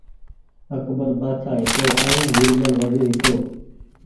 اڪبر بآڇآ هيتو ائين ويرمل وزير هيتو